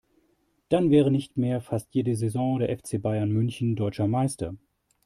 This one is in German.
Dann wäre nicht mehr fast jede Saison der FC Bayern München deutscher Meister.